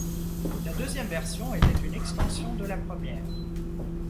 La deuxième version était une extension de la première.